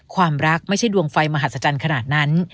ความรักไม่ใช่ดวงไฟมหัศจรรย์ขนาดนั้น